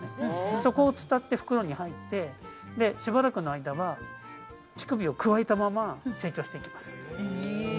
そこをつたって袋に入ってしばらくの間は乳首をくわえたまま成長していきます。